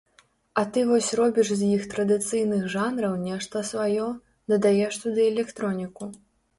А ты вось робіш з іх традыцыйных жанраў нешта сваё, дадаеш туды электроніку.